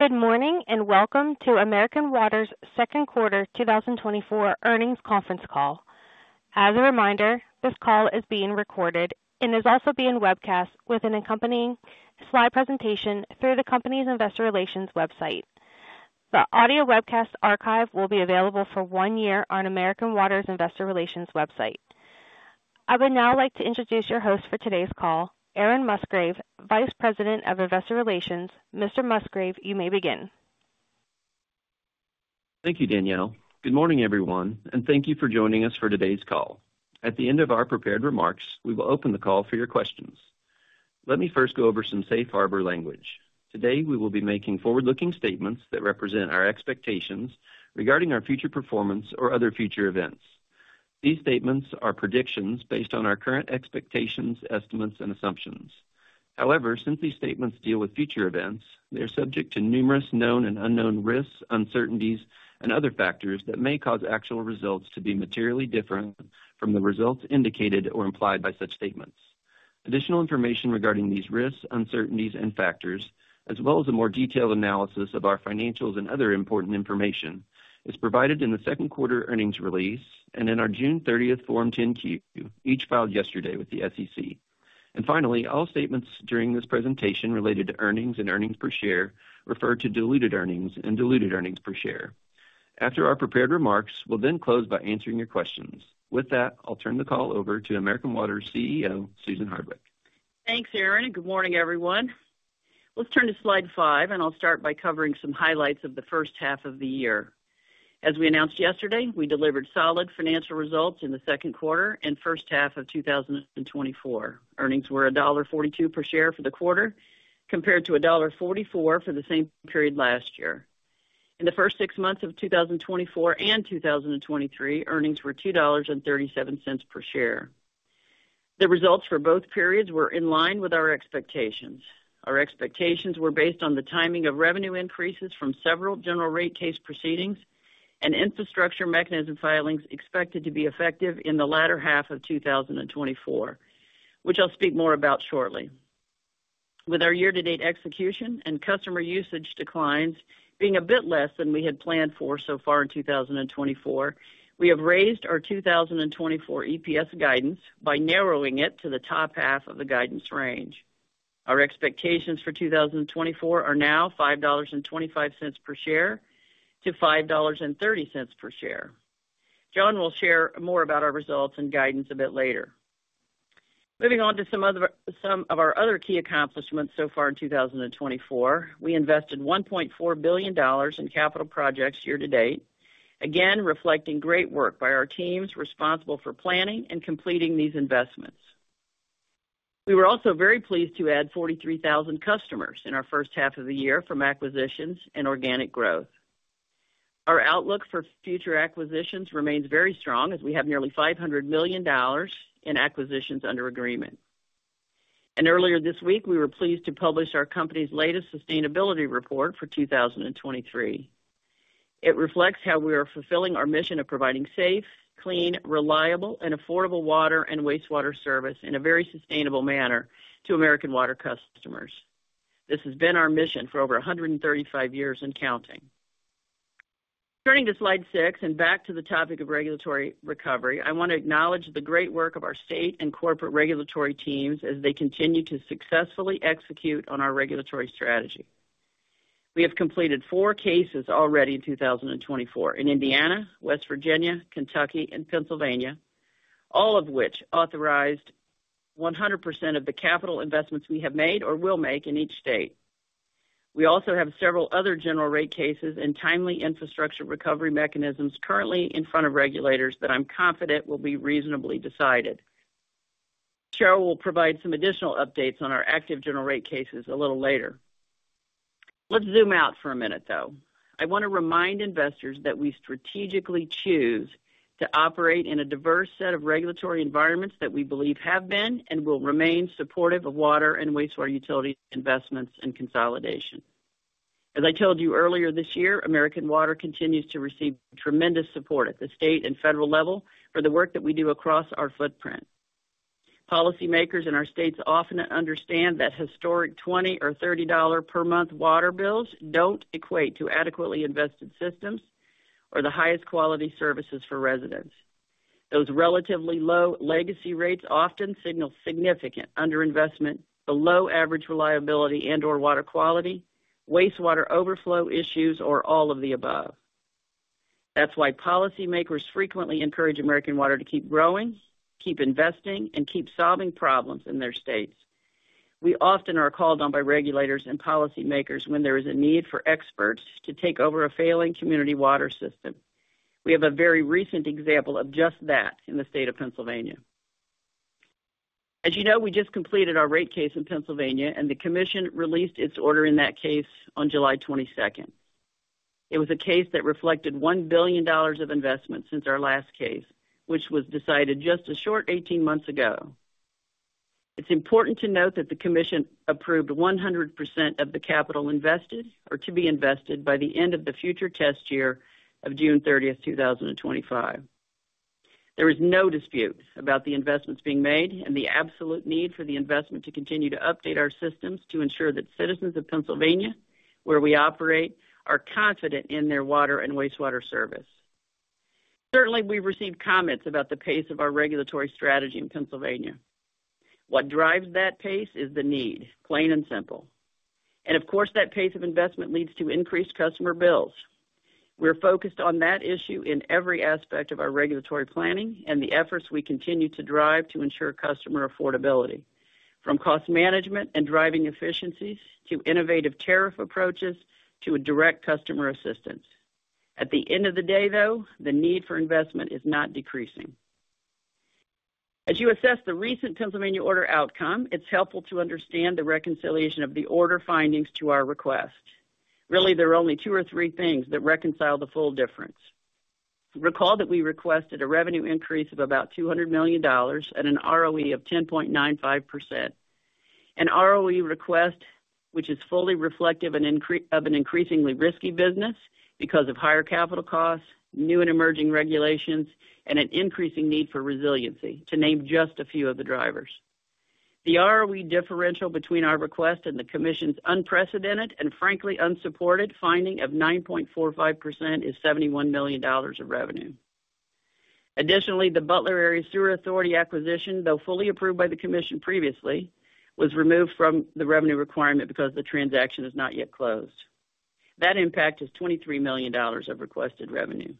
Good morning and welcome to American Water's second quarter 2024 earnings conference call. As a reminder, this call is being recorded and is also being webcast with an accompanying slide presentation through the company's investor relations website. The audio webcast archive will be available for one year on American Water's investor relations website. I would now like to introduce your host for today's call, Aaron Musgrave, Vice President of Investor Relations. Mr. Musgrave, you may begin. Thank you, Danielle. Good morning, everyone, and thank you for joining us for today's call. At the end of our prepared remarks, we will open the call for your questions. Let me first go over some safe harbor language. Today, we will be making forward-looking statements that represent our expectations regarding our future performance or other future events. These statements are predictions based on our current expectations, estimates, and assumptions. However, since these statements deal with future events, they are subject to numerous known and unknown risks, uncertainties, and other factors that may cause actual results to be materially different from the results indicated or implied by such statements. Additional information regarding these risks, uncertainties, and factors, as well as a more detailed analysis of our financials and other important information, is provided in the second quarter earnings release and in our June 30th Form 10-Q, each filed yesterday with the SEC. Finally, all statements during this presentation related to earnings and earnings per share refer to diluted earnings and diluted earnings per share. After our prepared remarks, we'll then close by answering your questions. With that, I'll turn the call over to American Water's CEO, Susan Hardwick. Thanks, Aaron. Good morning, everyone. Let's turn to slide 5, and I'll start by covering some highlights of the first half of the year. As we announced yesterday, we delivered solid financial results in the second quarter and first half of 2024. Earnings were $1.42 per share for the quarter compared to $1.44 for the same period last year. In the first six months of 2024 and 2023, earnings were $2.37 per share. The results for both periods were in line with our expectations. Our expectations were based on the timing of revenue increases from several general rate case proceedings and infrastructure mechanism filings expected to be effective in the latter half of 2024, which I'll speak more about shortly. With our year-to-date execution and customer usage declines being a bit less than we had planned for so far in 2024, we have raised our 2024 EPS guidance by narrowing it to the top half of the guidance range. Our expectations for 2024 are now $5.25-$5.30 per share. John will share more about our results and guidance a bit later. Moving on to some of our other key accomplishments so far in 2024, we invested $1.4 billion in capital projects year-to-date, again reflecting great work by our teams responsible for planning and completing these investments. We were also very pleased to add 43,000 customers in our first half of the year from acquisitions and organic growth. Our outlook for future acquisitions remains very strong as we have nearly $500 million in acquisitions under agreement. And earlier this week, we were pleased to publish our company's latest sustainability report for 2023. It reflects how we are fulfilling our mission of providing safe, clean, reliable, and affordable water and wastewater service in a very sustainable manner to American Water customers. This has been our mission for over 135 years and counting. Turning to slide 6 and back to the topic of regulatory recovery, I want to acknowledge the great work of our state and corporate regulatory teams as they continue to successfully execute on our regulatory strategy. We have completed 4 cases already in 2024 in Indiana, West Virginia, Kentucky, and Pennsylvania, all of which authorized 100% of the capital investments we have made or will make in each state. We also have several other general rate cases and timely infrastructure recovery mechanisms currently in front of regulators that I'm confident will be reasonably decided. Cheryl will provide some additional updates on our active general rate cases a little later. Let's zoom out for a minute, though. I want to remind investors that we strategically choose to operate in a diverse set of regulatory environments that we believe have been and will remain supportive of water and wastewater utility investments and consolidation. As I told you earlier this year, American Water continues to receive tremendous support at the state and federal level for the work that we do across our footprint. Policymakers in our states often understand that historic $20 or $30 per month water bills don't equate to adequately invested systems or the highest quality services for residents. Those relatively low legacy rates often signal significant underinvestment, below average reliability and/or water quality, wastewater overflow issues, or all of the above. That's why policymakers frequently encourage American Water to keep growing, keep investing, and keep solving problems in their states. We often are called on by regulators and policymakers when there is a need for experts to take over a failing community water system. We have a very recent example of just that in the state of Pennsylvania. As you know, we just completed our rate case in Pennsylvania, and the commission released its order in that case on July 22nd. It was a case that reflected $1 billion of investment since our last case, which was decided just a short 18 months ago. It's important to note that the commission approved 100% of the capital invested or to be invested by the end of the future test year of June 30th, 2025. There is no dispute about the investments being made and the absolute need for the investment to continue to update our systems to ensure that citizens of Pennsylvania, where we operate, are confident in their water and wastewater service. Certainly, we've received comments about the pace of our regulatory strategy in Pennsylvania. What drives that pace is the need, plain and simple. Of course, that pace of investment leads to increased customer bills. We're focused on that issue in every aspect of our regulatory planning and the efforts we continue to drive to ensure customer affordability, from cost management and driving efficiencies to innovative tariff approaches to direct customer assistance. At the end of the day, though, the need for investment is not decreasing. As you assess the recent Pennsylvania order outcome, it's helpful to understand the reconciliation of the order findings to our request. Really, there are only two or three things that reconcile the full difference. Recall that we requested a revenue increase of about $200 million and an ROE of 10.95%. An ROE request, which is fully reflective of an increasingly risky business because of higher capital costs, new and emerging regulations, and an increasing need for resiliency, to name just a few of the drivers. The ROE differential between our request and the commission's unprecedented and frankly unsupported finding of 9.45% is $71 million of revenue. Additionally, the Butler Area Sewer Authority acquisition, though fully approved by the commission previously, was removed from the revenue requirement because the transaction is not yet closed. That impact is $23 million of requested revenue.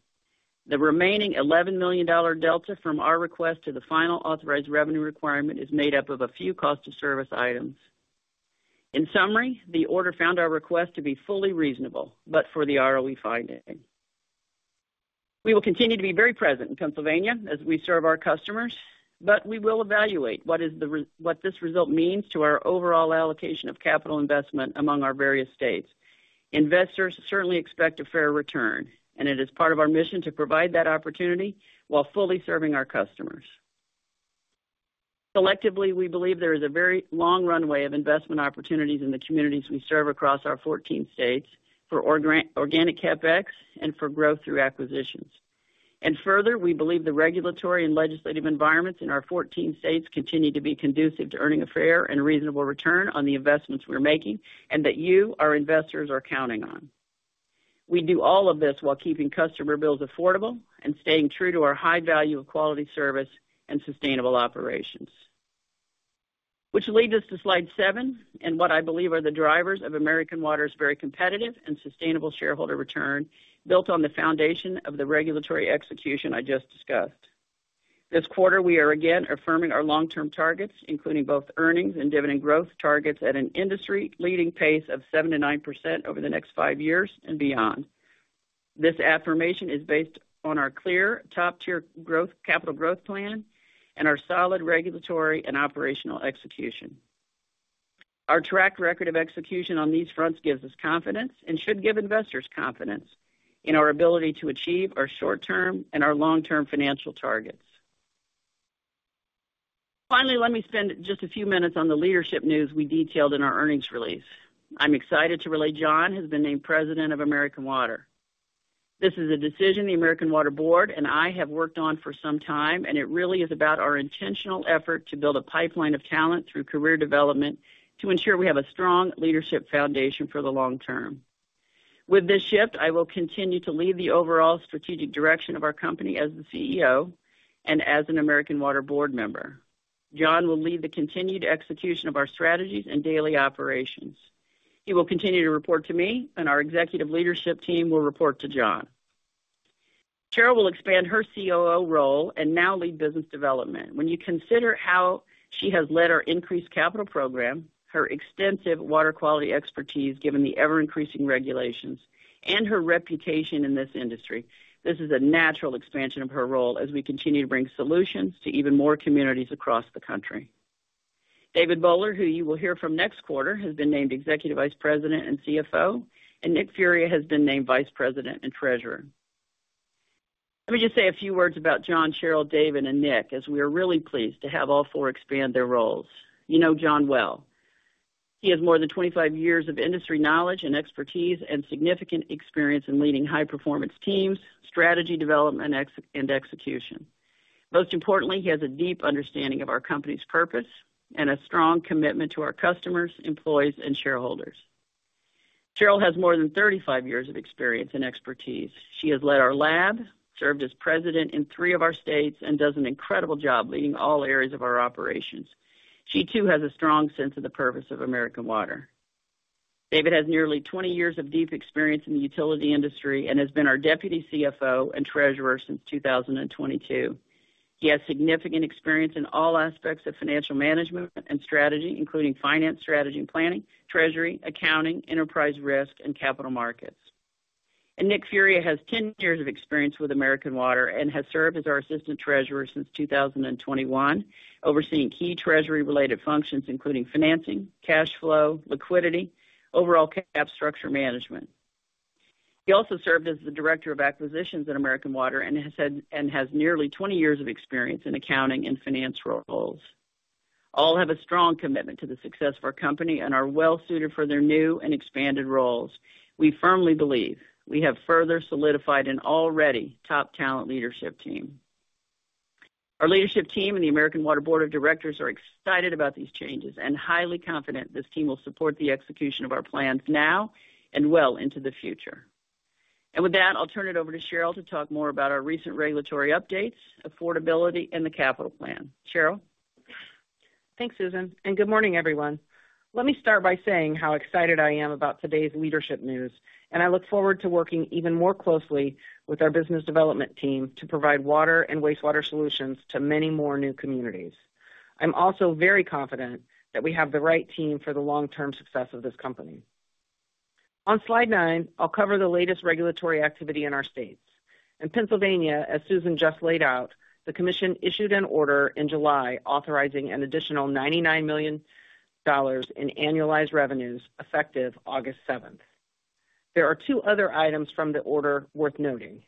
The remaining $11 million delta from our request to the final authorized revenue requirement is made up of a few cost-of-service items. In summary, the order found our request to be fully reasonable, but for the ROE finding. We will continue to be very present in Pennsylvania as we serve our customers, but we will evaluate what this result means to our overall allocation of capital investment among our various states. Investors certainly expect a fair return, and it is part of our mission to provide that opportunity while fully serving our customers. Collectively, we believe there is a very long runway of investment opportunities in the communities we serve across our 14 states for organic CapEx and for growth through acquisitions. And further, we believe the regulatory and legislative environments in our 14 states continue to be conducive to earning a fair and reasonable return on the investments we're making and that you, our investors, are counting on. We do all of this while keeping customer bills affordable and staying true to our high value of quality service and sustainable operations. Which leads us to slide 7 and what I believe are the drivers of American Water's very competitive and sustainable shareholder return built on the foundation of the regulatory execution I just discussed. This quarter, we are again affirming our long-term targets, including both earnings and dividend growth targets at an industry-leading pace of 7%-9% over the next 5 years and beyond. This affirmation is based on our clear top-tier capital growth plan and our solid regulatory and operational execution. Our track record of execution on these fronts gives us confidence and should give investors confidence in our ability to achieve our short-term and our long-term financial targets. Finally, let me spend just a few minutes on the leadership news we detailed in our earnings release. I'm excited to relay John has been named President of American Water. This is a decision the American Water Board and I have worked on for some time, and it really is about our intentional effort to build a pipeline of talent through career development to ensure we have a strong leadership foundation for the long term. With this shift, I will continue to lead the overall strategic direction of our company as the CEO and as an American Water Board member. John will lead the continued execution of our strategies and daily operations. He will continue to report to me, and our executive leadership team will report to John. Cheryl will expand her COO role and now lead business development. When you consider how she has led our increased capital program, her extensive water quality expertise given the ever-increasing regulations, and her reputation in this industry, this is a natural expansion of her role as we continue to bring solutions to even more communities across the country. David Bowler, who you will hear from next quarter, has been named Executive Vice President and CFO, and Nick Furia has been named Vice President and Treasurer. Let me just say a few words about John, Cheryl, David, and Nick, as we are really pleased to have all four expand their roles. You know John well. He has more than 25 years of industry knowledge and expertise and significant experience in leading high-performance teams, strategy development, and execution. Most importantly, he has a deep understanding of our company's purpose and a strong commitment to our customers, employees, and shareholders. Cheryl has more than 35 years of experience and expertise. She has led our lab, served as president in three of our states, and does an incredible job leading all areas of our operations. She too has a strong sense of the purpose of American Water. David has nearly 20 years of deep experience in the utility industry and has been our deputy CFO and treasurer since 2022. He has significant experience in all aspects of financial management and strategy, including finance strategy and planning, treasury, accounting, enterprise risk, and capital markets. Nick Furia has 10 years of experience with American Water and has served as our assistant treasurer since 2021, overseeing key treasury-related functions, including financing, cash flow, liquidity, overall cap structure management. He also served as the director of acquisitions at American Water and has nearly 20 years of experience in accounting and finance roles. All have a strong commitment to the success of our company and are well-suited for their new and expanded roles. We firmly believe we have further solidified an already top talent leadership team. Our leadership team and the American Water Board of Directors are excited about these changes and highly confident this team will support the execution of our plans now and well into the future. And with that, I'll turn it over to Cheryl to talk more about our recent regulatory updates, affordability, and the capital plan. Cheryl? Thanks, Susan. And good morning, everyone. Let me start by saying how excited I am about today's leadership news, and I look forward to working even more closely with our business development team to provide water and wastewater services to many more new communities. I'm also very confident that we have the right team for the long-term success of this company. On slide 9, I'll cover the latest regulatory activity in our states. In Pennsylvania, as Susan just laid out, the Commission issued an order in July authorizing an additional $99 million in annualized revenues effective August 7th. There are two other items from the order worth noting.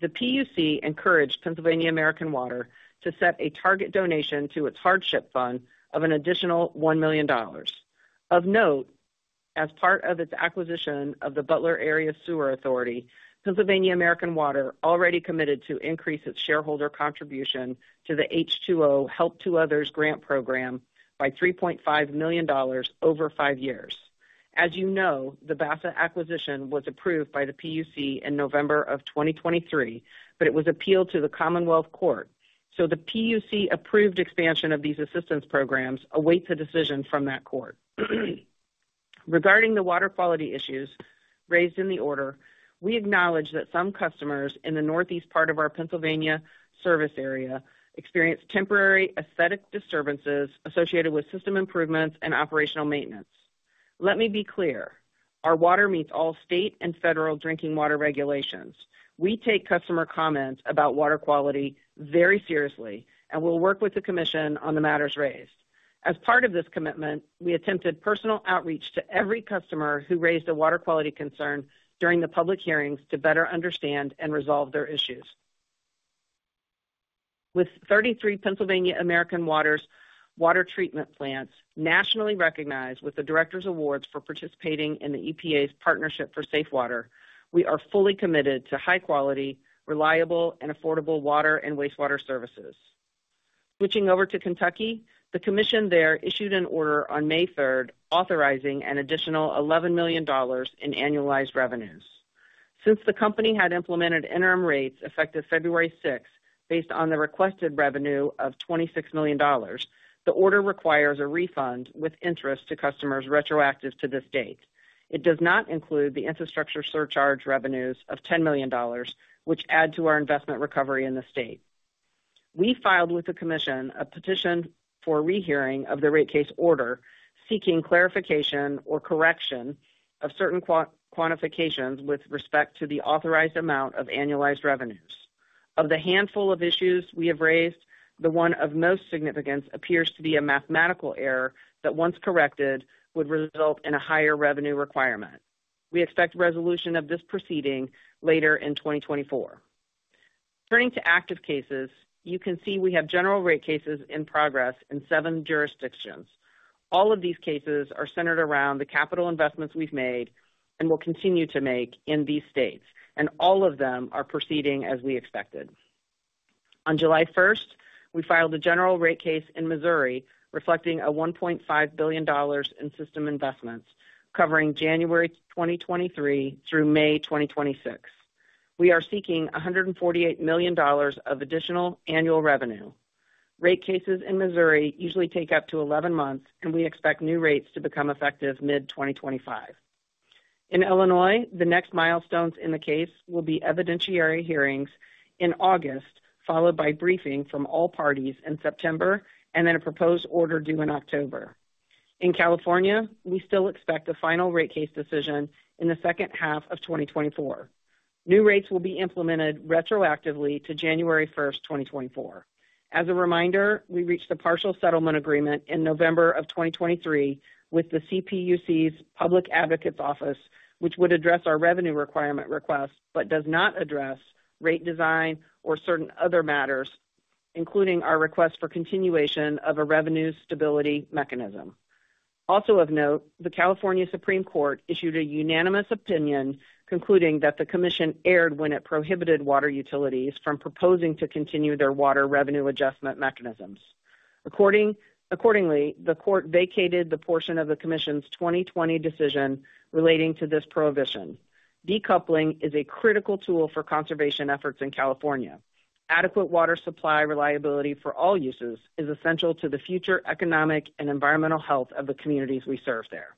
The PUC encouraged Pennsylvania American Water to set a target donation to its hardship fund of an additional $1 million. Of note, as part of its acquisition of the Butler Area Sewer Authority, Pennsylvania American Water already committed to increase its shareholder contribution to the H2O Help to Others grant program by $3.5 million over five years. As you know, the BASA acquisition was approved by the PUC in November of 2023, but it was appealed to the Commonwealth Court. So the PUC-approved expansion of these assistance programs awaits a decision from that court. Regarding the water quality issues raised in the order, we acknowledge that some customers in the northeast part of our Pennsylvania service area experienced temporary aesthetic disturbances associated with system improvements and operational maintenance. Let me be clear. Our water meets all state and federal drinking water regulations. We take customer comments about water quality very seriously and will work with the commission on the matters raised. As part of this commitment, we attempted personal outreach to every customer who raised a water quality concern during the public hearings to better understand and resolve their issues. With 33 Pennsylvania American Water's water treatment plants nationally recognized with the Director's Awards for participating in the EPA's Partnership for Safe Water, we are fully committed to high-quality, reliable, and affordable water and wastewater services. Switching over to Kentucky, the commission there issued an order on May 3rd authorizing an additional $11 million in annualized revenues. Since the company had implemented interim rates effective February 6th based on the requested revenue of $26 million, the order requires a refund with interest to customers retroactive to this date. It does not include the infrastructure surcharge revenues of $10 million, which add to our investment recovery in the state. We filed with the commission a petition for rehearing of the rate case order seeking clarification or correction of certain quantifications with respect to the authorized amount of annualized revenues. Of the handful of issues we have raised, the one of most significance appears to be a mathematical error that once corrected would result in a higher revenue requirement. We expect resolution of this proceeding later in 2024. Turning to active cases, you can see we have general rate cases in progress in seven jurisdictions. All of these cases are centered around the capital investments we've made and will continue to make in these states, and all of them are proceeding as we expected. On July 1st, we filed a general rate case in Missouri reflecting a $1.5 billion in system investments covering January 2023 through May 2026. We are seeking $148 million of additional annual revenue. Rate cases in Missouri usually take up to 11 months, and we expect new rates to become effective mid-2025. In Illinois, the next milestones in the case will be evidentiary hearings in August, followed by briefing from all parties in September, and then a proposed order due in October. In California, we still expect a final rate case decision in the second half of 2024. New rates will be implemented retroactively to January 1st, 2024. As a reminder, we reached a partial settlement agreement in November of 2023 with the CPUC's Public Advocates Office, which would address our revenue requirement request but does not address rate design or certain other matters, including our request for continuation of a revenue stability mechanism. Also of note, the California Supreme Court issued a unanimous opinion concluding that the commission erred when it prohibited water utilities from proposing to continue their water revenue adjustment mechanisms. Accordingly, the court vacated the portion of the commission's 2020 decision relating to this prohibition. Decoupling is a critical tool for conservation efforts in California. Adequate water supply reliability for all uses is essential to the future economic and environmental health of the communities we serve there.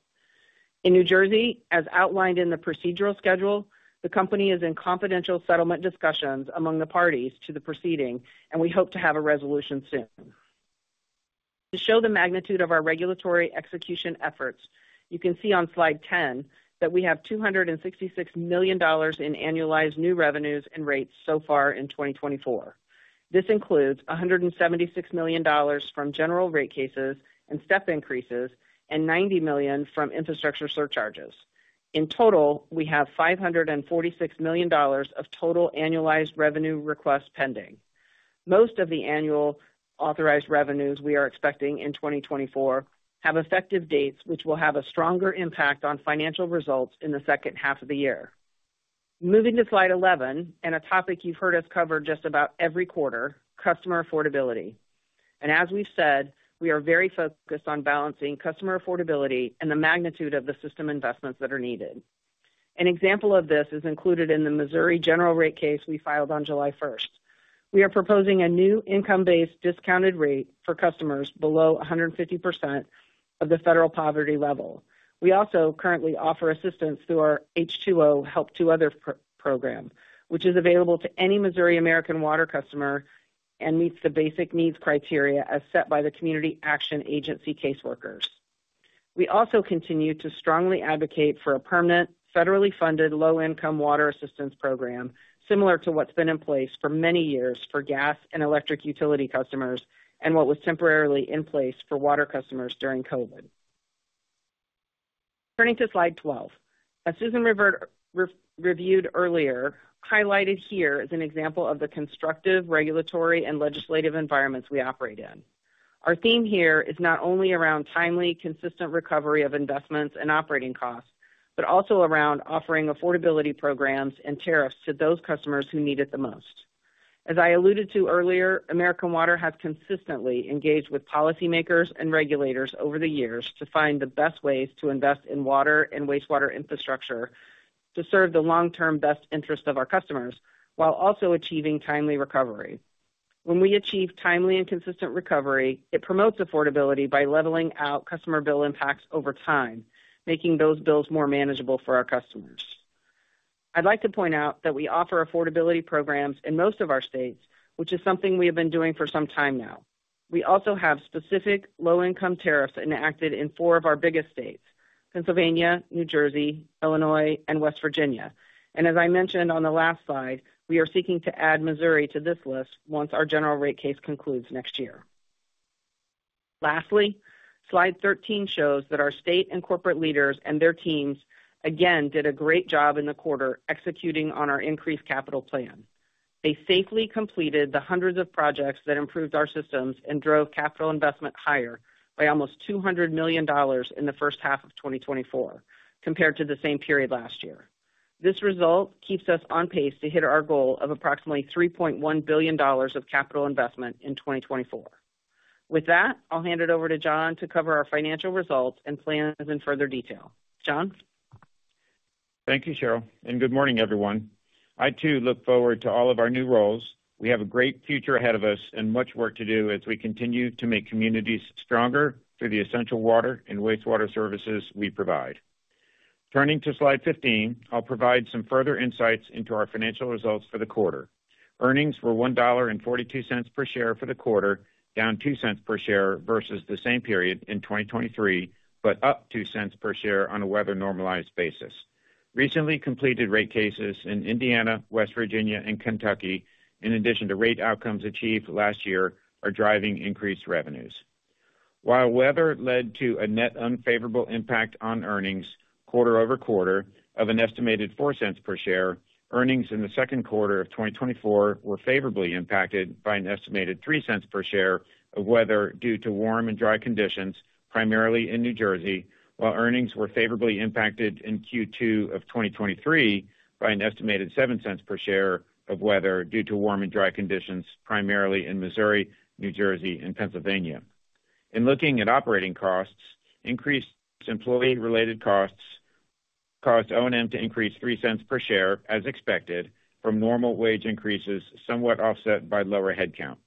In New Jersey, as outlined in the procedural schedule, the company is in confidential settlement discussions among the parties to the proceeding, and we hope to have a resolution soon. To show the magnitude of our regulatory execution efforts, you can see on slide 10 that we have $266 million in annualized new revenues and rates so far in 2024. This includes $176 million from general rate cases and step increases and $90 million from infrastructure surcharges. In total, we have $546 million of total annualized revenue requests pending. Most of the annual authorized revenues we are expecting in 2024 have effective dates, which will have a stronger impact on financial results in the second half of the year. Moving to slide 11 and a topic you've heard us cover just about every quarter, customer affordability. As we've said, we are very focused on balancing customer affordability and the magnitude of the system investments that are needed. An example of this is included in the Missouri general rate case we filed on July 1st. We are proposing a new income-based discounted rate for customers below 150% of the federal poverty level. We also currently offer assistance through our H2O Help to Others program, which is available to any Missouri American Water customer and meets the basic needs criteria as set by the Community Action Agency case workers. We also continue to strongly advocate for a permanent federally funded low-income water assistance program similar to what's been in place for many years for gas and electric utility customers and what was temporarily in place for water customers during COVID. Turning to slide 12, as Susan reviewed earlier, highlighted here is an example of the constructive regulatory and legislative environments we operate in. Our theme here is not only around timely, consistent recovery of investments and operating costs, but also around offering affordability programs and tariffs to those customers who need it the most. As I alluded to earlier, American Water has consistently engaged with policymakers and regulators over the years to find the best ways to invest in water and wastewater infrastructure to serve the long-term best interests of our customers while also achieving timely recovery. When we achieve timely and consistent recovery, it promotes affordability by leveling out customer bill impacts over time, making those bills more manageable for our customers. I'd like to point out that we offer affordability programs in most of our states, which is something we have been doing for some time now. We also have specific low-income tariffs enacted in four of our biggest states, Pennsylvania, New Jersey, Illinois, and West Virginia. As I mentioned on the last slide, we are seeking to add Missouri to this list once our general rate case concludes next year. Lastly, slide 13 shows that our state and corporate leaders and their teams again did a great job in the quarter executing on our increased capital plan. They safely completed the hundreds of projects that improved our systems and drove capital investment higher by almost $200 million in the first half of 2024 compared to the same period last year. This result keeps us on pace to hit our goal of approximately $3.1 billion of capital investment in 2024. With that, I'll hand it over to John to cover our financial results and plans in further detail. John? Thank you, Cheryl. Good morning, everyone. I too look forward to all of our new roles. We have a great future ahead of us and much work to do as we continue to make communities stronger through the essential water and wastewater services we provide. Turning to slide 15, I'll provide some further insights into our financial results for the quarter. Earnings were $1.42 per share for the quarter, down $0.02 per share versus the same period in 2023, but up $0.02 per share on a weather normalized basis. Recently completed rate cases in Indiana, West Virginia, and Kentucky, in addition to rate outcomes achieved last year, are driving increased revenues. While weather led to a net unfavorable impact on earnings quarter over quarter of an estimated $0.04 per share, earnings in the second quarter of 2024 were favorably impacted by an estimated $0.03 per share of weather due to warm and dry conditions, primarily in New Jersey, while earnings were favorably impacted in Q2 of 2023 by an estimated $0.07 per share of weather due to warm and dry conditions, primarily in Missouri, New Jersey, and Pennsylvania. In looking at operating costs, increased employee-related costs caused O&M to increase $0.03 per share as expected from normal wage increases somewhat offset by lower headcount.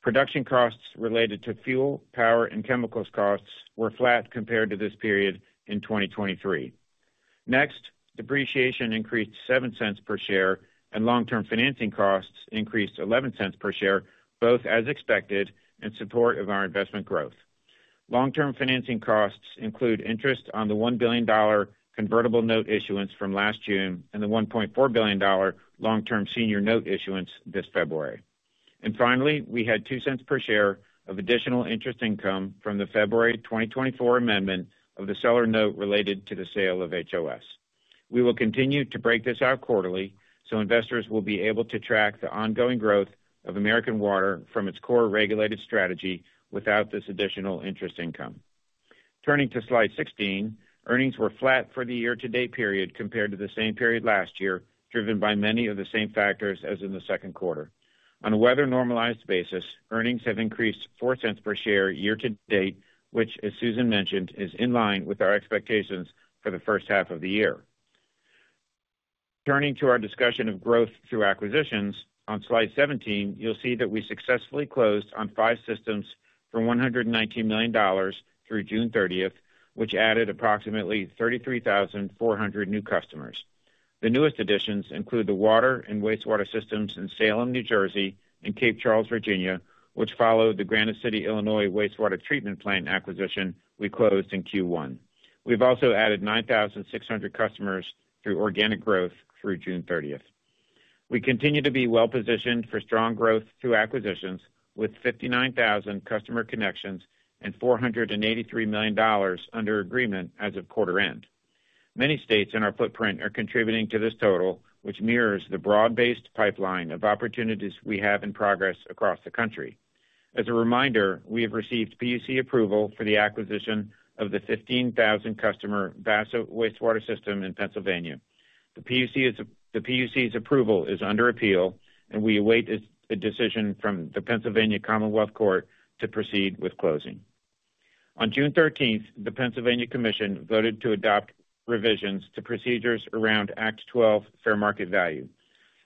Production costs related to fuel, power, and chemicals costs were flat compared to this period in 2023. Next, depreciation increased $0.07 per share, and long-term financing costs increased $0.11 per share, both as expected in support of our investment growth. Long-term financing costs include interest on the $1 billion convertible note issuance from last June and the $1.4 billion long-term senior note issuance this February. And finally, we had 2 cents per share of additional interest income from the February 2024 amendment of the seller note related to the sale of HOS. We will continue to break this out quarterly so investors will be able to track the ongoing growth of American Water from its core regulated strategy without this additional interest income. Turning to slide 16, earnings were flat for the year-to-date period compared to the same period last year, driven by many of the same factors as in the second quarter. On a weather normalized basis, earnings have increased 4 cents per share year-to-date, which, as Susan mentioned, is in line with our expectations for the first half of the year. Turning to our discussion of growth through acquisitions, on slide 17, you'll see that we successfully closed on 5 systems for $119 million through June 30th, which added approximately 33,400 new customers. The newest additions include the water and wastewater systems in Salem, New Jersey, and Cape Charles, Virginia, which followed the Granite City, Illinois wastewater treatment plant acquisition we closed in Q1. We've also added 9,600 customers through organic growth through June 30th. We continue to be well-positioned for strong growth through acquisitions with 59,000 customer connections and $483 million under agreement as of quarter end. Many states in our footprint are contributing to this total, which mirrors the broad-based pipeline of opportunities we have in progress across the country. As a reminder, we have received PUC approval for the acquisition of the 15,000-customer BASA wastewater system in Pennsylvania. The PUC's approval is under appeal, and we await a decision from the Pennsylvania Commonwealth Court to proceed with closing. On June 13th, the Pennsylvania Commission voted to adopt revisions to procedures around Act 12 Fair Market Value.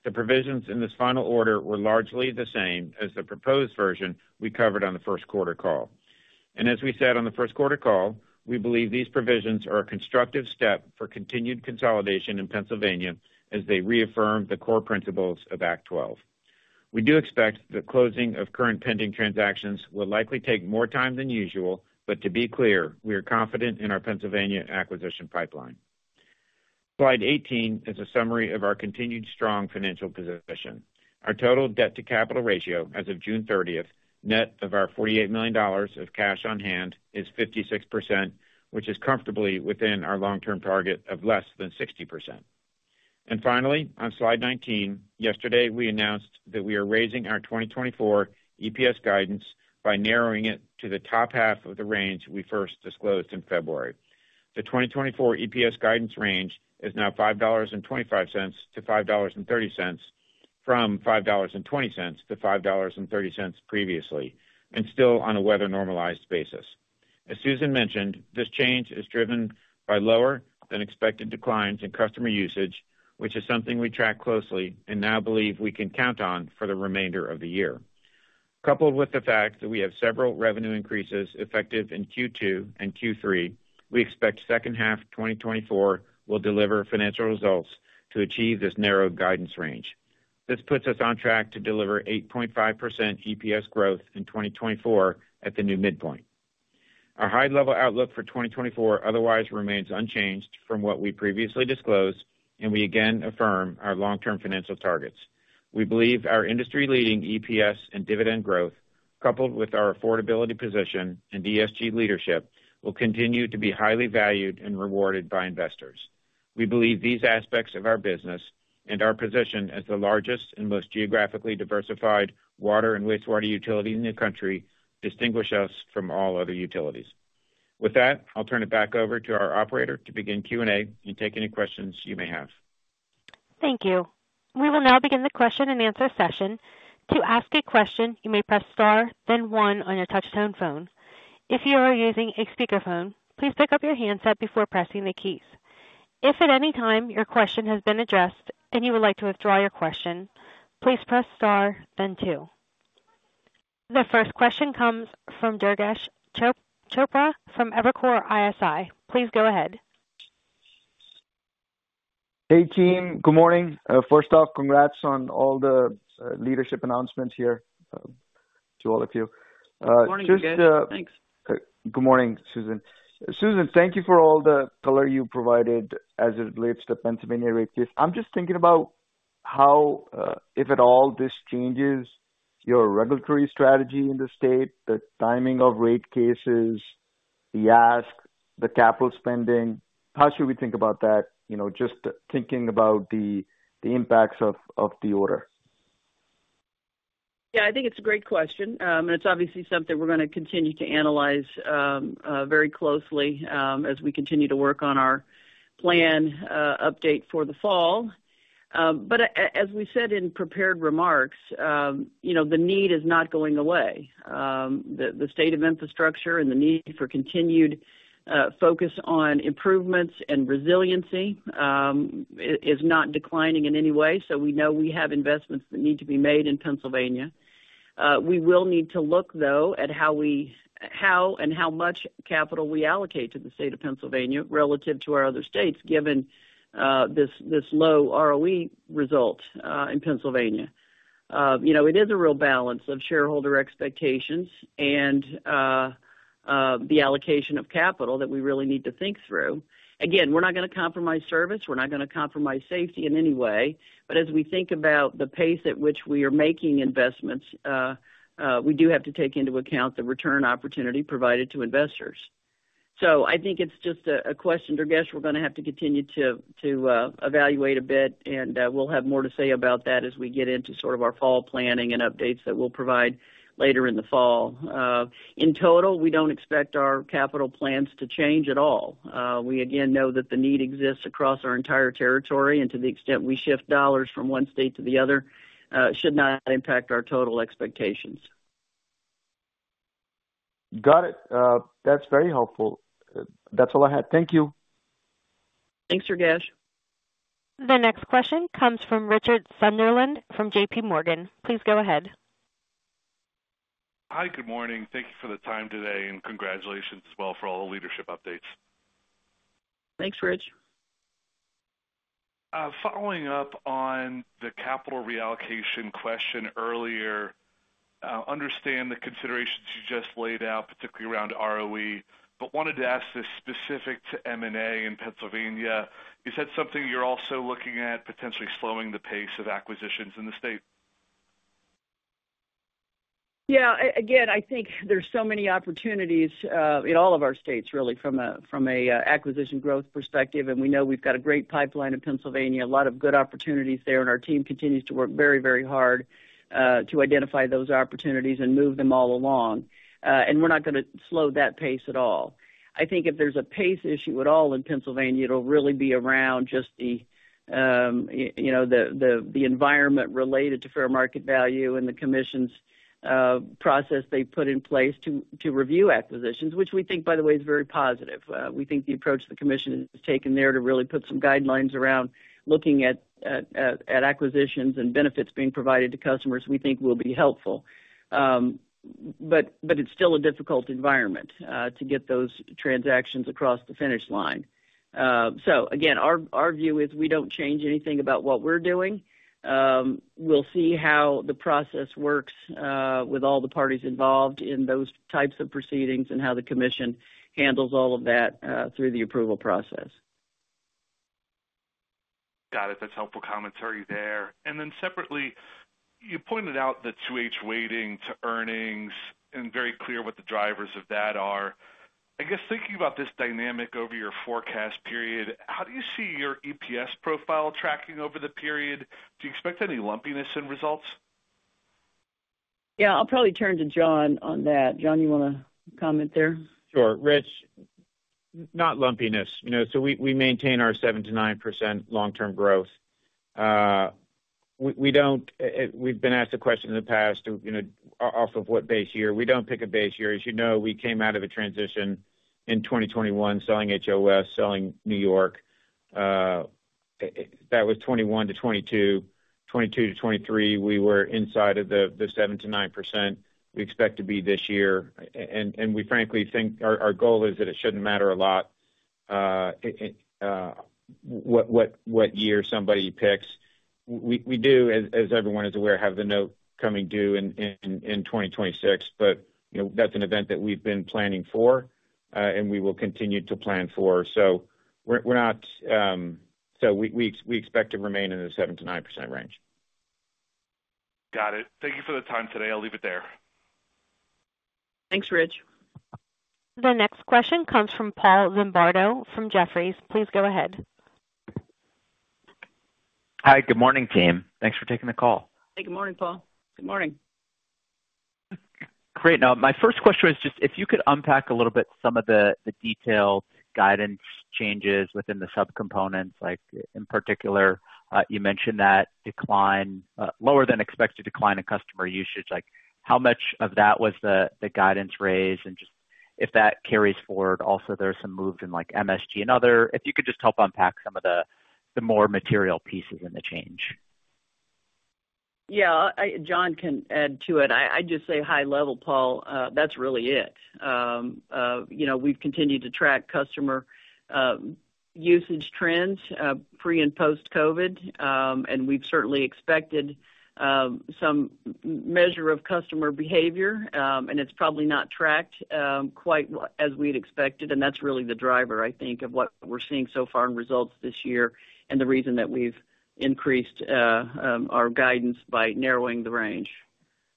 The provisions in this final order were largely the same as the proposed version we covered on the first quarter call. As we said on the first quarter call, we believe these provisions are a constructive step for continued consolidation in Pennsylvania as they reaffirm the core principles of Act 12. We do expect the closing of current pending transactions will likely take more time than usual, but to be clear, we are confident in our Pennsylvania acquisition pipeline. Slide 18 is a summary of our continued strong financial position. Our total debt-to-capital ratio as of June 30th, net of our $48 million of cash on hand, is 56%, which is comfortably within our long-term target of less than 60%. And finally, on slide 19, yesterday we announced that we are raising our 2024 EPS guidance by narrowing it to the top half of the range we first disclosed in February. The 2024 EPS guidance range is now $5.25-$5.30 from $5.20-$5.30 previously, and still on a weather normalized basis. As Susan mentioned, this change is driven by lower-than-expected declines in customer usage, which is something we track closely and now believe we can count on for the remainder of the year. Coupled with the fact that we have several revenue increases effective in Q2 and Q3, we expect second half 2024 will deliver financial results to achieve this narrowed guidance range. This puts us on track to deliver 8.5% EPS growth in 2024 at the new midpoint. Our high-level outlook for 2024 otherwise remains unchanged from what we previously disclosed, and we again affirm our long-term financial targets. We believe our industry-leading EPS and dividend growth, coupled with our affordability position and ESG leadership, will continue to be highly valued and rewarded by investors. We believe these aspects of our business and our position as the largest and most geographically diversified water and wastewater utility in the country distinguish us from all other utilities. With that, I'll turn it back over to our operator to begin Q&A and take any questions you may have. Thank you. We will now begin the question-and-answer session. To ask a question, you may press star, then one on your touch-tone phone. If you are using a speakerphone, please pick up your handset before pressing the keys. If at any time your question has been addressed and you would like to withdraw your question, please press star, then two. The first question comes from Durgesh Chopra from Evercore ISI. Please go ahead. Hey, team. Good morning. First off, congrats on all the leadership announcements here to all of you. Good morning, Durgesh. Thanks. Good morning, Susan. Susan, thank you for all the color you provided as it relates to Pennsylvania rate case. I'm just thinking about how, if at all, this changes your regulatory strategy in the state, the timing of rate cases, the ask, the capital spending. How should we think about that, just thinking about the impacts of the order? Yeah, I think it's a great question. It's obviously something we're going to continue to analyze very closely as we continue to work on our plan update for the fall. But as we said in prepared remarks, the need is not going away. The state of infrastructure and the need for continued focus on improvements and resiliency is not declining in any way. We know we have investments that need to be made in Pennsylvania. We will need to look, though, at how and how much capital we allocate to the state of Pennsylvania relative to our other states, given this low ROE result in Pennsylvania. It is a real balance of shareholder expectations and the allocation of capital that we really need to think through. Again, we're not going to compromise service. We're not going to compromise safety in any way. But as we think about the pace at which we are making investments, we do have to take into account the return opportunity provided to investors. So I think it's just a question, Durgesh. We're going to have to continue to evaluate a bit, and we'll have more to say about that as we get into sort of our fall planning and updates that we'll provide later in the fall. In total, we don't expect our capital plans to change at all. We, again, know that the need exists across our entire territory, and to the extent we shift dollars from one state to the other, it should not impact our total expectations. Got it. That's very helpful. That's all I had. Thank you. Thanks, Durgesh. The next question comes from Richard Sunderland from JPMorgan. Please go ahead. Hi, good morning. Thank you for the time today, and congratulations as well for all the leadership updates. Thanks, Rich. Following up on the capital reallocation question earlier, I understand the considerations you just laid out, particularly around ROE, but wanted to ask this specific to M&A in Pennsylvania. Is that something you're also looking at, potentially slowing the pace of acquisitions in the state? Yeah. Again, I think there's so many opportunities in all of our states, really, from an acquisition growth perspective. And we know we've got a great pipeline in Pennsylvania, a lot of good opportunities there, and our team continues to work very, very hard to identify those opportunities and move them all along. And we're not going to slow that pace at all. I think if there's a pace issue at all in Pennsylvania, it'll really be around just the environment related to fair market value and the commission's process they put in place to review acquisitions, which we think, by the way, is very positive. We think the approach the commission has taken there to really put some guidelines around looking at acquisitions and benefits being provided to customers, we think, will be helpful. But it's still a difficult environment to get those transactions across the finish line. So again, our view is we don't change anything about what we're doing. We'll see how the process works with all the parties involved in those types of proceedings and how the commission handles all of that through the approval process. Got it. That's helpful commentary there. And then separately, you pointed out the 2H weighting to earnings and very clear what the drivers of that are. I guess thinking about this dynamic over your forecast period, how do you see your EPS profile tracking over the period? Do you expect any lumpiness in results? Yeah, I'll probably turn to John on that. John, you want to comment there? Sure. Rich, not lumpiness. So we maintain our 7%-9% long-term growth. We've been asked a question in the past off of what base year. We don't pick a base year. As you know, we came out of a transition in 2021, selling HOS, selling New York. That was 2021 to 2022. 2022 to 2023, we were inside of the 7%-9% we expect to be this year. And we, frankly, think our goal is that it shouldn't matter a lot what year somebody picks. We do, as everyone is aware, have the note coming due in 2026, but that's an event that we've been planning for and we will continue to plan for. So we expect to remain in the 7%-9% range. Got it. Thank you for the time today. I'll leave it there. Thanks, Rich. The next question comes from Paul Zimbardo from Jefferies. Please go ahead. Hi, good morning, team. Thanks for taking the call. Hey, good morning, Paul. Good morning. Great. Now, my first question was just if you could unpack a little bit some of the detailed guidance changes within the subcomponents. In particular, you mentioned that lower-than-expected decline in customer usage. How much of that was the guidance raise? Just if that carries forward, also, there are some moves in MSG and other. If you could just help unpack some of the more material pieces in the change. Yeah, John can add to it. I'd just say high level, Paul, that's really it. We've continued to track customer usage trends pre and post-COVID, and we've certainly expected some measure of customer behavior, and it's probably not tracked quite as we'd expected. That's really the driver, I think, of what we're seeing so far in results this year and the reason that we've increased our guidance by narrowing the range.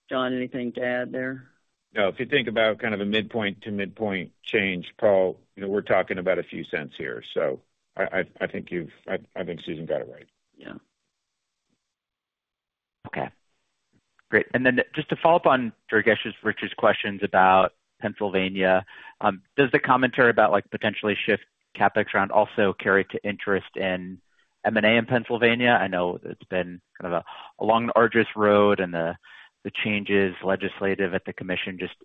John, anything to add there? No. If you think about kind of a midpoint to midpoint change, Paul, we're talking about a few cents here. So I think Susan got it right. Yeah. Okay. Great. And then just to follow up on Durgesh's and Richard's questions about Pennsylvania, does the commentary about potentially shifting CapEx around also carry to interest in M&A in Pennsylvania? I know it's been kind of a long, arduous road and the legislative changes at the commission. Just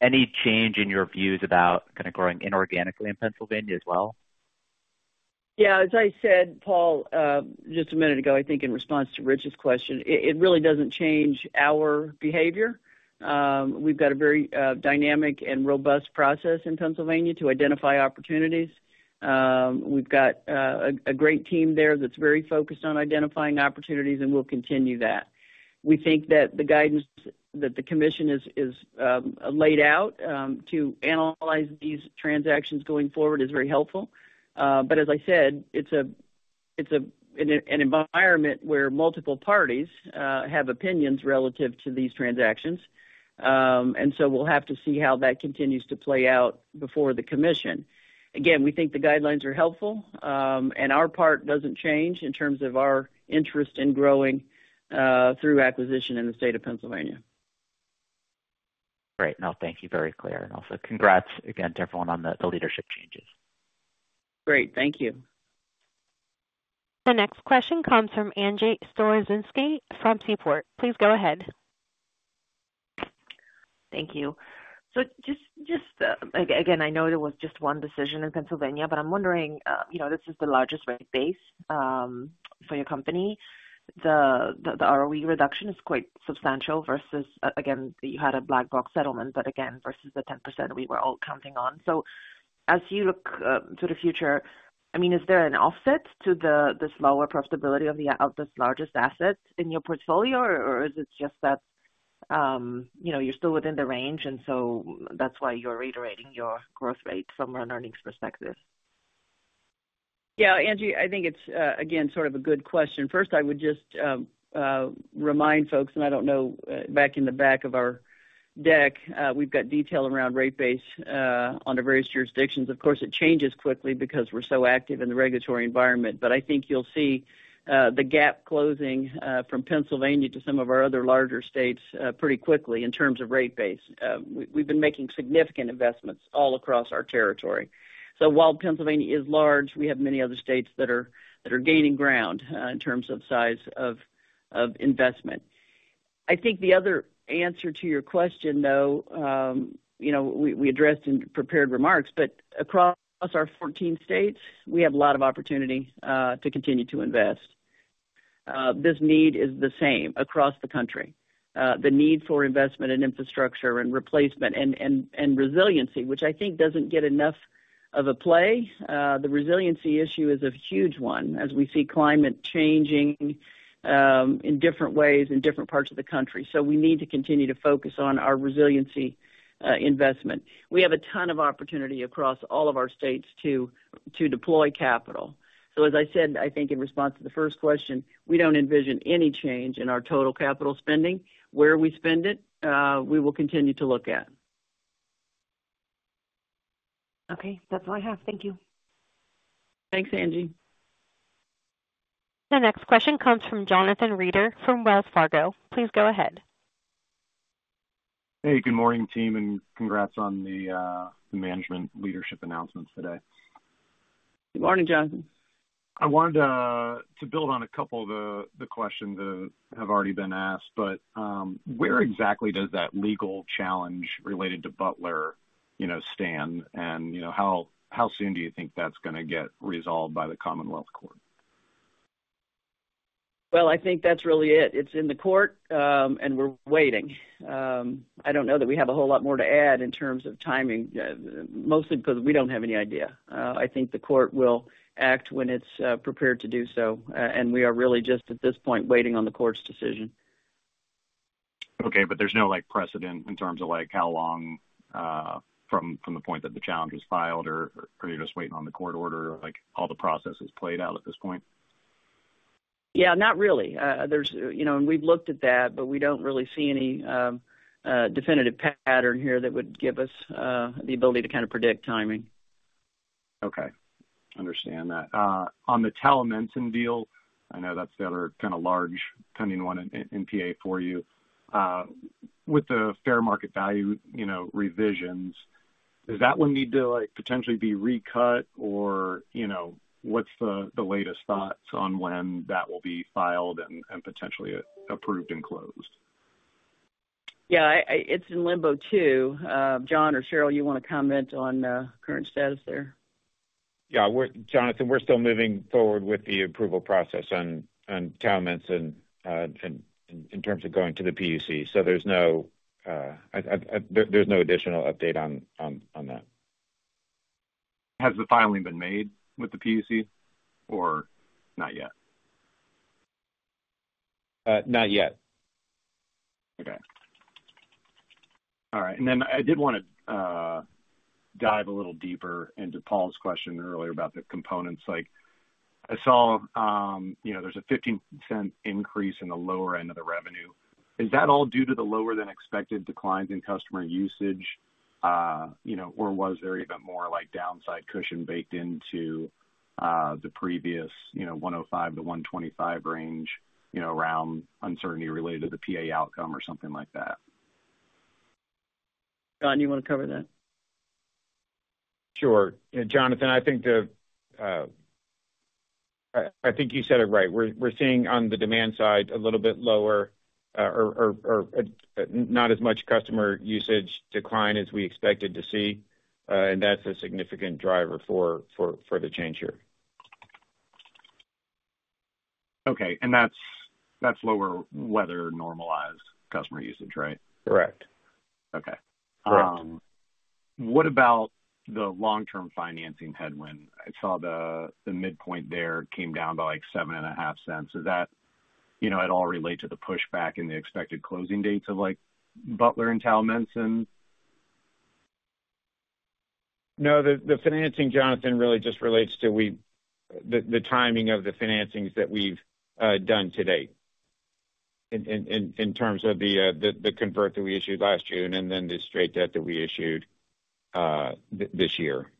any change in your views about kind of growing inorganically in Pennsylvania as well? Yeah. As I said, Paul, just a minute ago, I think in response to Rich's question, it really doesn't change our behavior. We've got a very dynamic and robust process in Pennsylvania to identify opportunities. We've got a great team there that's very focused on identifying opportunities, and we'll continue that. We think that the guidance that the commission has laid out to analyze these transactions going forward is very helpful. But as I said, it's an environment where multiple parties have opinions relative to these transactions. And so we'll have to see how that continues to play out before the commission. Again, we think the guidelines are helpful, and our part doesn't change in terms of our interest in growing through acquisition in the state of Pennsylvania. Great. No, thank you. Very clear. And also, congrats again to everyone on the leadership changes. Great. Thank you. The next question comes from Angie Storozynski from Seaport. Please go ahead. Thank you. So just again, I know there was just one decision in Pennsylvania, but I'm wondering, this is the largest rate base for your company. The ROE reduction is quite substantial versus, again, you had a black box settlement, but again, versus the 10% we were all counting on. So as you look to the future, I mean, is there an offset to this lower profitability of this largest asset in your portfolio, or is it just that you're still within the range and so that's why you're reiterating your growth rate from an earnings perspective? Yeah. Angie, I think it's, again, sort of a good question. First, I would just remind folks, and I don't know, back in the back of our deck, we've got detail around rate base on the various jurisdictions. Of course, it changes quickly because we're so active in the regulatory environment. But I think you'll see the gap closing from Pennsylvania to some of our other larger states pretty quickly in terms of rate base. We've been making significant investments all across our territory. So while Pennsylvania is large, we have many other states that are gaining ground in terms of size of investment. I think the other answer to your question, though, we addressed in prepared remarks, but across our 14 states, we have a lot of opportunity to continue to invest. This need is the same across the country. The need for investment in infrastructure and replacement and resiliency, which I think doesn't get enough of a play, the resiliency issue is a huge one as we see climate changing in different ways in different parts of the country. So we need to continue to focus on our resiliency investment. We have a ton of opportunity across all of our states to deploy capital. So as I said, I think in response to the first question, we don't envision any change in our total capital spending. Where we spend it, we will continue to look at. Okay. That's all I have. Thank you. Thanks, Angie. The next question comes from Jonathan Reeder from Wells Fargo. Please go ahead. Hey, good morning, team, and congrats on the management leadership announcements today. Good morning, Jonathan. I wanted to build on a couple of the questions that have already been asked, but where exactly does that legal challenge related to Butler stand? And how soon do you think that's going to get resolved by the Commonwealth Court? Well, I think that's really it. It's in the court, and we're waiting. I don't know that we have a whole lot more to add in terms of timing, mostly because we don't have any idea. I think the court will act when it's prepared to do so, and we are really just at this point waiting on the court's decision. Okay. But there's no precedent in terms of how long from the point that the challenge was filed or you're just waiting on the court order or all the processes played out at this point? Yeah, not really. We've looked at that, but we don't really see any definitive pattern here that would give us the ability to kind of predict timing. Okay. Understand that. On the Towamencin deal, I know that's the other kind of large pending one in PA for you. With the fair market value revisions, does that one need to potentially be recut, or what's the latest thoughts on when that will be filed and potentially approved and closed? Yeah, it's in limbo too. John or Cheryl, you want to comment on the current status there? Yeah. Jonathan, we're still moving forward with the approval process on Towamencin in terms of going to the PUC. So there's no additional update on that. Has the filing been made with the PUC or not yet? Not yet. Okay. All right. And then I did want to dive a little deeper into Paul's question earlier about the components. I saw there's a $0.15 increase in the lower end of the revenue. Is that all due to the lower-than-expected declines in customer usage, or was there even more downside cushion baked into the previous $1.05-$1.25 range around uncertainty related to the PA outcome or something like that? John, you want to cover that? Sure. Jonathan, I think you said it right. We're seeing on the demand side a little bit lower or not as much customer usage decline as we expected to see, and that's a significant driver for the change here. Okay. And that's lower weather normalized customer usage, right? Correct. Okay. What about the long-term financing headwind? I saw the midpoint there came down by like $0.075. Does that at all relate to the pushback in the expected closing dates of Butler and Towamencin? No, the financing, Jonathan, really just relates to the timing of the financings that we've done to date in terms of the convert that we issued last June and then the straight debt that we issued this year.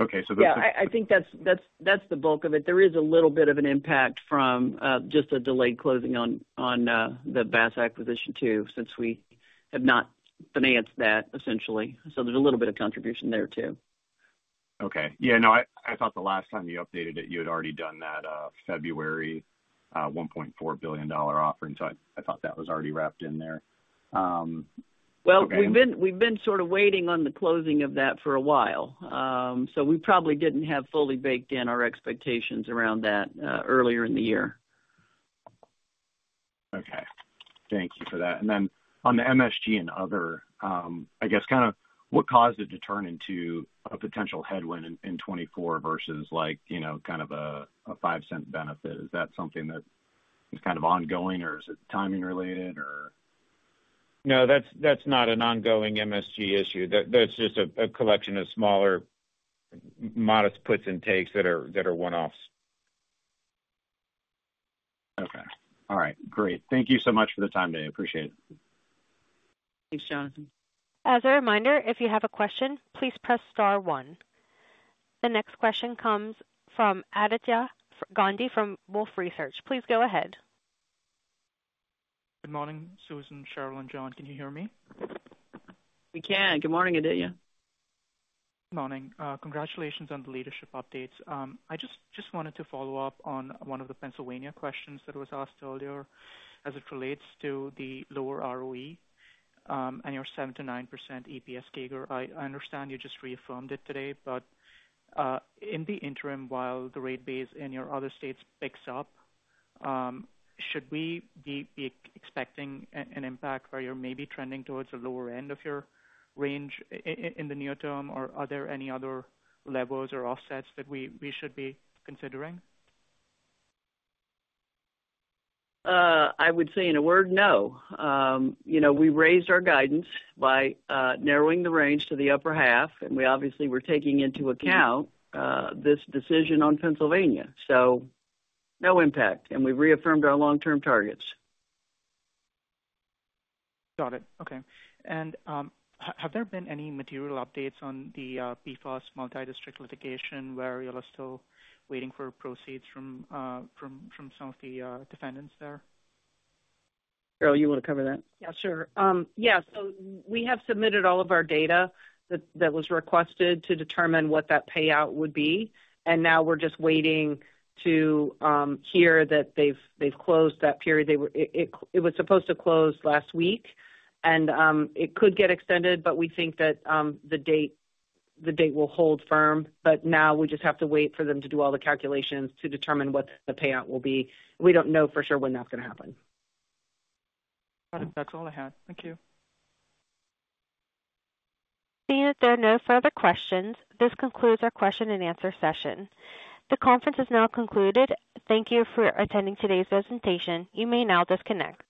Okay. Yeah, I think that's the bulk of it. There is a little bit of an impact from just a delayed closing on the BASA acquisition too since we have not financed that essentially. So there's a little bit of contribution there too. Okay. Yeah. No, I thought the last time you updated it, you had already done that February $1.4 billion offering. So I thought that was already wrapped in there. Well, we've been sort of waiting on the closing of that for a while. So we probably didn't have fully baked in our expectations around that earlier in the year. Okay. Thank you for that. And then on the MSG and other, I guess, kind of what caused it to turn into a potential headwind in 2024 versus kind of a $0.05 benefit? Is that something that is kind of ongoing, or is it timing related, or? No, that's not an ongoing MSG issue. That's just a collection of smaller modest puts and takes that are one-offs. Okay. All right. Great. Thank you so much for the time today. I appreciate it. Thanks, Jonathan. As a reminder, if you have a question, please press star one. The next question comes from Aditya Gandhi from Wolfe Research. Please go ahead. Good morning, Susan, Cheryl, and John. Can you hear me? We can. Good morning, Aditya. Morning. Congratulations on the leadership updates. I just wanted to follow up on one of the Pennsylvania questions that was asked earlier as it relates to the lower ROE and your 7%-9% EPS CAGR. I understand you just reaffirmed it today, but in the interim, while the rate base in your other states picks up, should we be expecting an impact where you're maybe trending towards the lower end of your range in the near term, or are there any other levels or offsets that we should be considering? I would say, in a word, no. We raised our guidance by narrowing the range to the upper half, and we obviously were taking into account this decision on Pennsylvania. So no impact. And we've reaffirmed our long-term targets. Got it. Okay. Have there been any material updates on the PFAS Multi-District Litigation where you're still waiting for proceeds from some of the defendants there? Cheryl, you want to cover that? Yeah, sure. Yeah. We have submitted all of our data that was requested to determine what that payout would be. And now we're just waiting to hear that they've closed that period. It was supposed to close last week, and it could get extended, but we think that the date will hold firm. But now we just have to wait for them to do all the calculations to determine what the payout will be. We don't know for sure when that's going to happen. That's all I had. Thank you. Seeing if there are no further questions, this concludes our question-and-answer session. The conference is now concluded. Thank you for attending today's presentation. You may now disconnect.